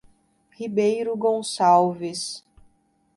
Ribeiro Gonçalves